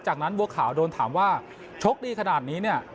จากนั้นโบ้ข่าวโดนถามว่าชกดีขนาดนี้